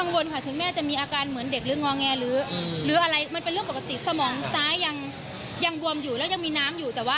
รักษาพยาบานนี้หญิงไม่เรียกรอ